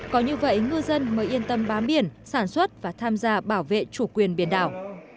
có như vậy ngư dân mới yên tâm bám biển sản xuất và tham gia bảo vệ chủ quyền biển đảo